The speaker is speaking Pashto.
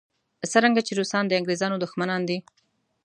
څرنګه چې روسان د انګریزانو دښمنان دي.